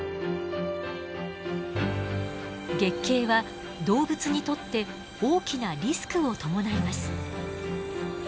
月経は動物にとって大きなリスクを伴います。